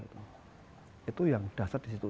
itu yang dasar di situ